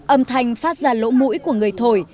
âm thanh phát ra lỗ mũi của người thổi